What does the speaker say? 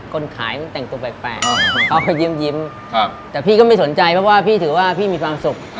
คนขายมันแต่งตัวแปลกเขาก็ยิ้มแต่พี่ก็ไม่สนใจเพราะว่าพี่ถือว่าพี่มีความสุข